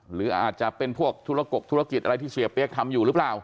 หรืออาจจะเป็นพวกธุรกกธุรกิจอะไรที่เสียเปี๊ยกทำอยู่หรือเปล่า